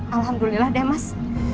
alhamdulillah deh mas